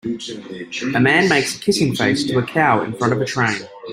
A man makes a kissing face to a cow in front of a train.